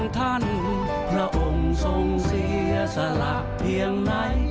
ทรงทรงเสียสละเพียงไหน